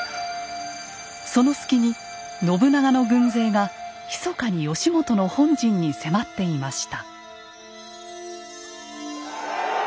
その隙に信長の軍勢がひそかに義元の本陣に迫っていました。